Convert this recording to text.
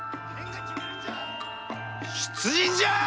出陣じゃあ！